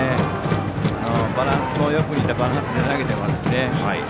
バランスもよく似たバランスで投げていますしね。